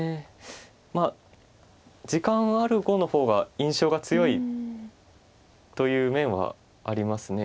まあ時間はある碁の方が印象が強いという面はあります。